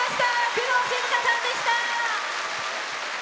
工藤静香さんでした。